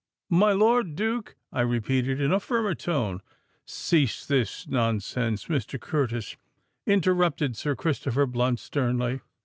—'My Lord Duke,' I repeated, in a firmer tone——" "Cease this nonsense, Mr. Curtis," interrupted Sir Christopher Blunt sternly.